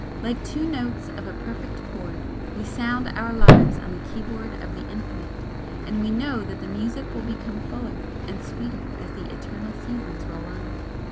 Like two notes of a perfect chord we sound our lives on the keyboard of the Infinite and we know that the music will become fuller and sweeter as the eternal seasons roll on.